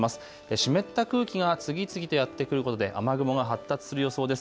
湿った空気が次々とやって来るほどで雨雲が発達する予想です。